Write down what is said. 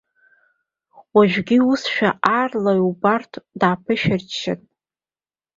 Уажәгьы усшәа аарла иубартә дааԥышәарччан.